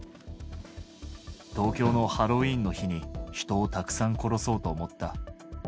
東京のハロウィーンの日に、人をたくさん殺そうと思った。